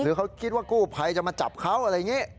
เขาคิดว่ากู้ภัยจะมาจับเขาอะไรอย่างนี้